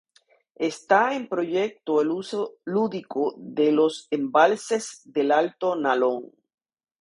Está en proyecto el uso lúdico de los embalses del Alto Nalón.